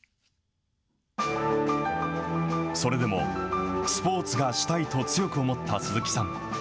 それでも、スポーツがしたいと強く思った鈴木さん。